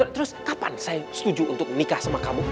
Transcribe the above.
terus kapan saya setuju untuk menikah sama kamu